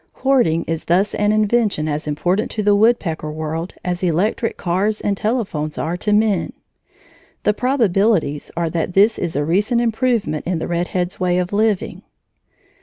Hoarding is thus an invention as important to the woodpecker world as electric cars and telephones are to men. The probabilities are that this is a recent improvement in the red head's ways of living.